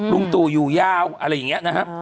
ลุงตู่อยู่ยาวอะไรอย่างนี้นะครับ